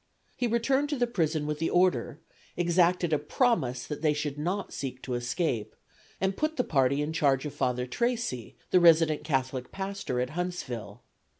He returned to the prison with the order, exacted a promise that they should not seek to escape, and put the party in charge of Father Tracey, the resident Catholic pastor at Huntsville.